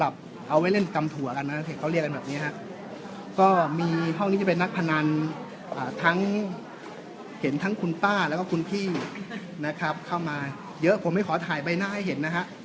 เห็นทั้งคุณป้าแล้วก็คุณพี่นะครับเข้ามาเยอะผมไม่ขอถ่ายใบหน้าให้เห็นนะฮะ